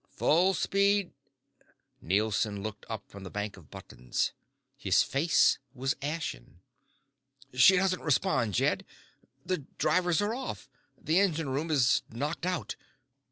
"Full speed " Nielson looked up from the bank of buttons. His face was ashen. "She doesn't respond, Jed. The drivers are off. The engine room is knocked out."